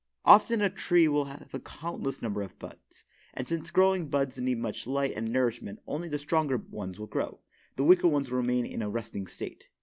Often a tree will have a countless number of buds; and since growing buds need much light and nourishment only the stronger ones will grow, the weaker ones remaining in a resting state.